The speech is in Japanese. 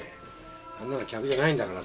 あんなの客じゃないんだからさ。